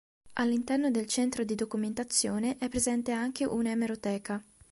All'interno del centro di documentazione è presente anche un'emeroteca.